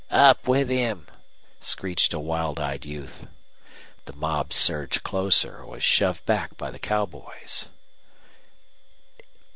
"Up with him!" screeched a wild eyed youth. The mob surged closer was shoved back by the cowboys.